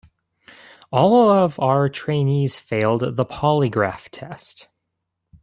All of our trainees failed the polygraph test.